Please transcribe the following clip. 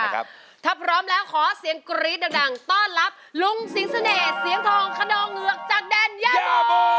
ถ้าพร้อมแล้วขอเสียงกรี๊ดดังต้อนรับลุงสิงเสน่ห์เสียงทองขนองเหงือกจากแดนย่านบ่อโบ